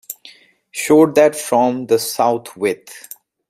Showed that from the south with.